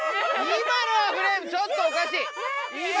今のはフレームちょっとおかしい。